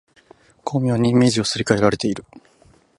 巧妙にイメージがすり替えられている